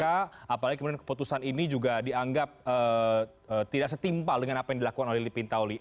apalagi kemudian keputusan ini juga dianggap tidak setimpal dengan apa yang dilakukan oleh lili pintauli